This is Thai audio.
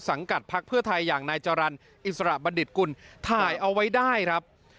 สังกัดพักเพื่อไทยอย่างนายจรรย์อิสระบัณฑิตกุลถ่ายเอาไว้ได้ครับ